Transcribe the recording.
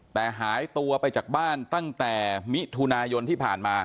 แต่หายตัวไปจากบ้านตั้งแต่มิถุนายนที่ผ่านมา